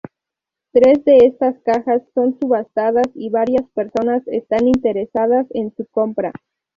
Tres de estas cajas son subastadas y varias personas están interesadas en su compra.